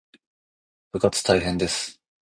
部活大変です